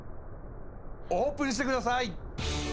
オープンしてください。